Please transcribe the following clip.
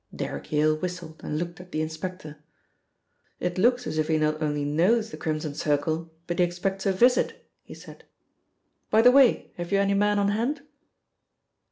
Derrick Yale whistled and looked at the inspector. "It looks as if he not only knows the Crimson Circle, but he expects a visit," he said. "By the way, have you any men on hand?"